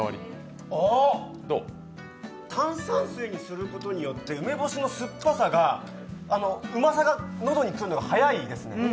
炭酸水にすることによって梅干しの酸っぱさが、うまさが喉に来るのが早いですね。